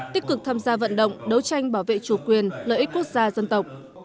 tích cực tham gia vận động đấu tranh bảo vệ chủ quyền lợi ích quốc gia dân tộc